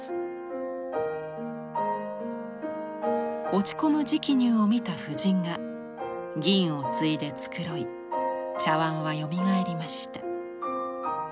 落ち込む直入を見た夫人が銀をついで繕い茶碗はよみがえりました。